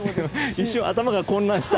一瞬、頭が混乱した。